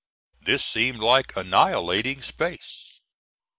This seemed like annihilating space.